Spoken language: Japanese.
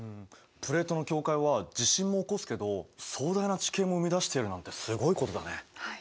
プレートの境界は地震も起こすけど壮大な地形も生み出しているなんてすごいことだね。